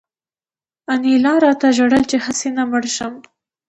انیلا راته ژړل چې هسې نه مړ شې